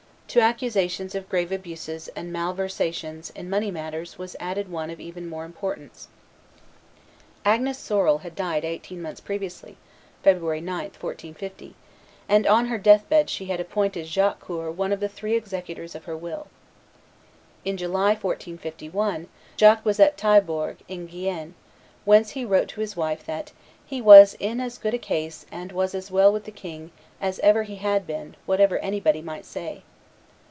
To accusations of grave abuses and malversations in money matters was added one of even more importance. Agnes Sorel had died eighteen months previously (February 9, 1450); and on her death bed she had appointed Jacques Coeur one of the three executors of her will. In July, 1451, Jacques was at Taillebourg, in Guyenne, whence he wrote to his wife that "he was in as good case and was as well with the king as ever he had been, whatever anybody might say."